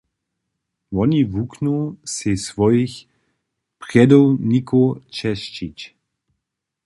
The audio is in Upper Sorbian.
Woni wuknu sej swojich prjedownikow česćić.